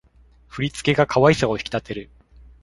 振り付けが可愛さを引き立てる